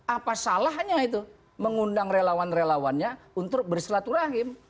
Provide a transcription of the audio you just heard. apa salahnya itu mengundang relawan relawannya untuk bersilaturahim